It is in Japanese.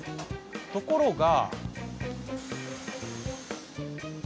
ところが。